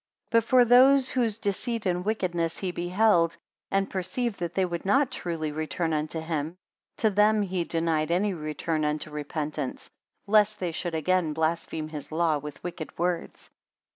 48 But for those whose deceit and wickedness he beheld, and perceived that they would not truly return unto him; to them he denied any return unto repentance, lest they should again blaspheme his law with wicked words.